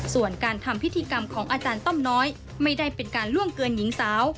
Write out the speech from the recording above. ส่วนการทำพิธีกรรมของอาจารย์ต้อมน้อยไม่ได้เป็นการล่วงเกินหญิงสาว